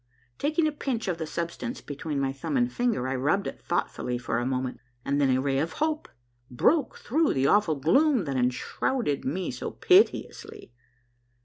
Taking a pinch of the substance between my thumb and finger, I rubbed it thoughtfully for a moment, and then a ray of hope broke through the awful gloom that enshrouded me so pitilessly.